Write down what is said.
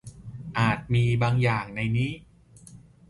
อาจมีบางอย่างในนี้